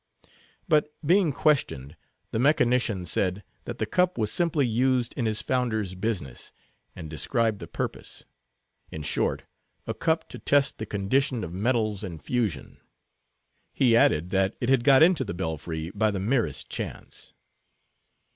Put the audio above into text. But, being questioned, the mechanician said, that the cup was simply used in his founder's business, and described the purpose; in short, a cup to test the condition of metals in fusion. He added, that it had got into the belfry by the merest chance.